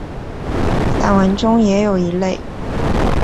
散文中也有一类。